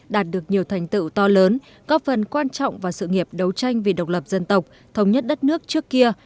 đạt được nhiều thành tựu to lớn góp phần quan trọng vào sự nghiệp đấu tranh vì độc lập dân tộc thống nhất đất nước trước kia